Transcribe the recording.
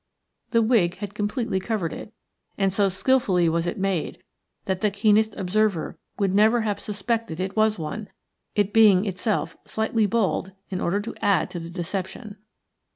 The wig had completely covered it, and so skilfully was it made that the keenest observer would never have suspected it was one, it being itself slightly bald in order to add to the deception.